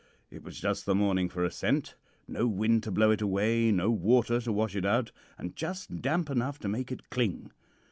It was just the morning for a scent no wind to blow it away, no water to wash it out, and just damp enough to make it cling.